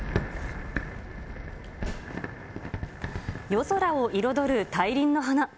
夜空を彩る大輪の花。